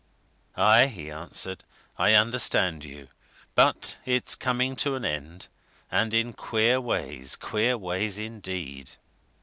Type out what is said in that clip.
"Aye!" he answered. "I understand you. But it's coming to an end. And in queer ways queer ways, indeed!"